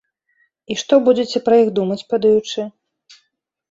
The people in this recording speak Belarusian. І што будзеце пра іх думаць падаючы?